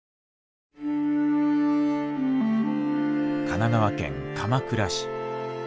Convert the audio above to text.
神奈川県鎌倉市。